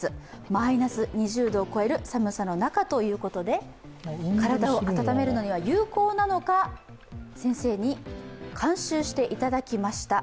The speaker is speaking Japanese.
寒さの中ということで体を温めるのには有効なのか、先生に監修していただきました。